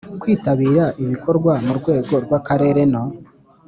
kwitabira ibikorwa mu rwego rw Akarere no